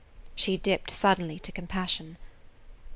She dipped suddenly to compassion.